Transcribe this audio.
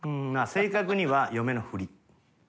正確には嫁のふり。